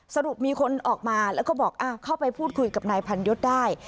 สรุปมีคนออกมาแล้วก็บอกเข้าไปพูดคุยกับนายพันยศได้